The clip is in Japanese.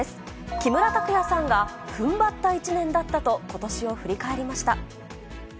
木村拓哉さんがふんばった一年だったと、ことしを振り返りました。